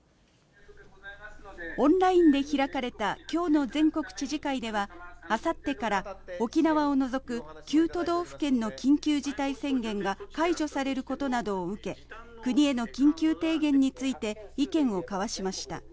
オンラインで開かれたきょうの全国知事会では、あさってから、沖縄を除く、９都道府県の緊急事態宣言が解除されることなどを受け、国への緊急提言について意見を交わしました。